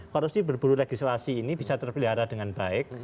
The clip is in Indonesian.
korupsi berburu legislasi ini bisa terpelihara dengan baik